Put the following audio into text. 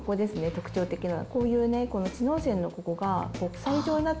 特徴的なの。